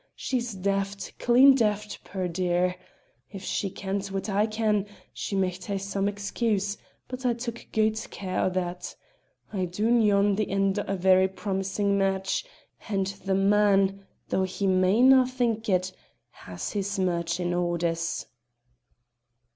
She's daft; clean daft, puir dear! If she kent whit I ken, she micht hae some excuse, but I took guid care o' that. I doot yon's the end o' a very promisin' match, and the man, though he mayna' think it, has his merchin' orders."